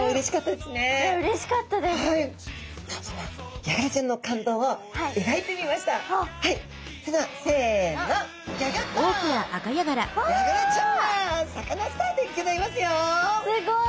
すっごい。